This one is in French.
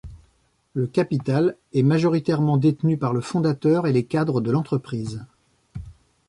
Le capital est majoritairement détenu par le fondateur et les cadres de l'entreprise.